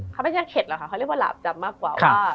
เขาเรียกว่าหลาบจำมากกว่า